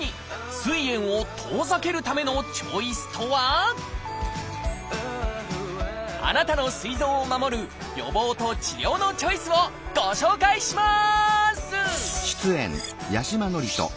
すい炎を遠ざけるためのチョイスとはあなたのすい臓を守る予防と治療のチョイスをご紹介します！